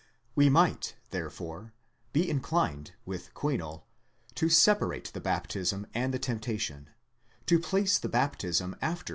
We might therefore be inclined, with Kuinol, to separate the baptism and the temptation, to place the baptism after v.